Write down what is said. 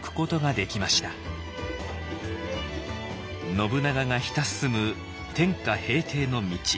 信長がひた進む天下平定の道。